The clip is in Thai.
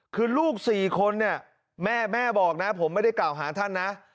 คือลูก๔คนเนี่ยแม่บอกนะผมไม่ได้กล่าวหาท่านนะ